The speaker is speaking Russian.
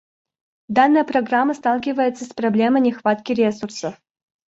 Данная программа сталкивается с проблемой нехватки ресурсов.